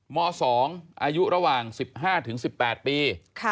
ม๒อายุระหว่าง๑๕๑๘ปี